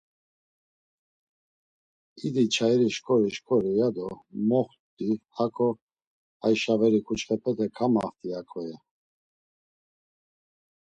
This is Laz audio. İdi nçayiri şǩori şǩori, ya do moxt̆i hako hay şaveri ǩuçxepete kamaxt̆i hako, ya.